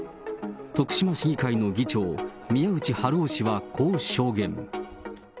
徳島市議会の議長、宮内春雄氏はこう証言。